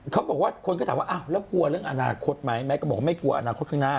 เขาบอกว่าคนก็ถามว่าอ้าวแล้วกลัวเรื่องอนาคตไหมแมทก็บอกว่าไม่กลัวอนาคตข้างหน้า